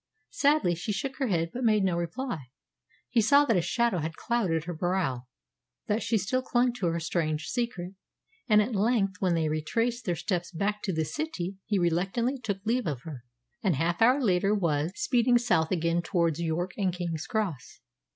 Sadly she shook her head, but made no reply. He saw that a shadow had clouded her brow, that she still clung to her strange secret; and at length, when they retraced their steps back to the city, he reluctantly took leave of her, and half an hour later was speeding south again towards York and King's Cross.